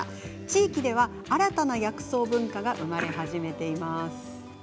地域では新たな薬草文化が生まれ始めています。